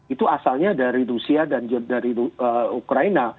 itu asalnya dari rusia dan dari ukraina